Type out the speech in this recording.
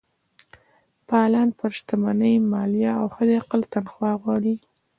فعالان پر شتمنۍ مالیه او حداقل تنخوا غواړي.